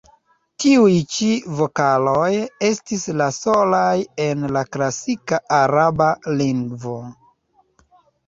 Tiuj ĉi vokaloj estis la solaj en la klasika araba lingvo.